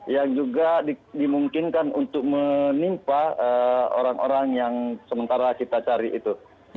yang juga dimungkinkan untuk menimpa orang orang yang sementara kita cari itu